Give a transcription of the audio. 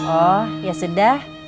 oh ya sudah